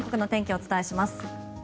お伝えします。